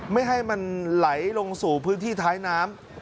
ไม่ให้มันไหลลงสู่พื้นที่ท้ายน้ำ